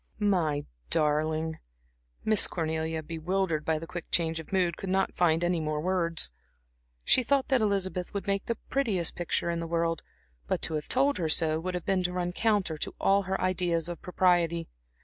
"My darling." Miss Cornelia, bewildered by the quick change of mood, could not find words. She thought that Elizabeth would make the prettiest picture in the world; but to have told her so would have been to run counter to all her ideas of propriety.